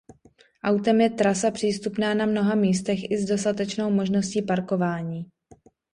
Autem je trasa přístupná na mnoha místech i s dostatečnou možností parkování.